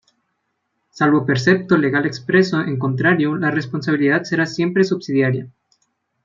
Salvo precepto legal expreso en contrario, la responsabilidad será siempre subsidiaria.